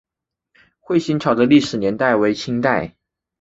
会仙桥的历史年代为清代。